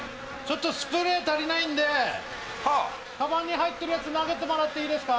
スプレー足りないんでカバンに入ってるやつ投げてもらっていいですか？